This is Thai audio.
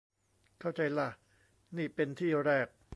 เข้าใจล่ะ นี่เป็นที่แรก